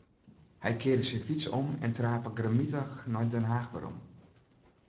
Hy kearde syn fyts om en trape grimmitich nei Den Haach werom.